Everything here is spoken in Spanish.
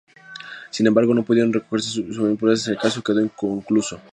Sin embargo, no pudieron recogerse suficientes pruebas, y el caso quedó inconcluso.